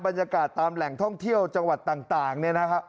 บรรยากาศตามแหล่งท่องเที่ยวจังหวัดต่างเนี่ยนะครับ